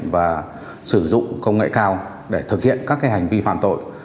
và sử dụng công nghệ cao để thực hiện các hành vi phạm tội